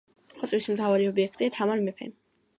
ხოტბის მთავარი ობიექტია თამარ მეფე.